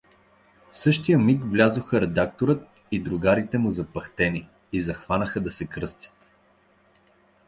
В същия миг влязоха Редакторът и другарите му запъхтени и захванаха да се кръстят.